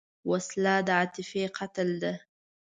وسله د عاطفې قتل ده